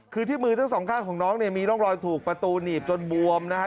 คือที่มือทั้งสองข้างของน้องเนี่ยมีร่องรอยถูกประตูหนีบจนบวมนะฮะ